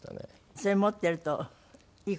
それ持っているといい事がある？